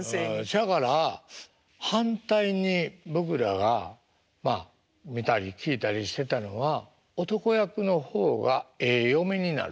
そやから反対に僕らがまあ見たり聞いたりしてたのは男役の方がええ嫁になると。